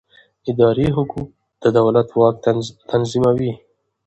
اداري حقوق د دولت واک تنظیموي.